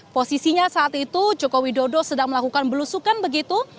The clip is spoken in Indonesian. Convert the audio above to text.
posisinya saat itu joko widodo sedang melakukan belusukan begitu